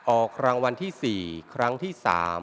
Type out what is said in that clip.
ออกรางวัลที่๔ครั้งที่๓